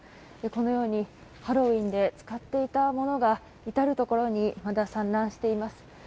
このようにハロウィーンで使っていたものが至る所にまだ散乱しています。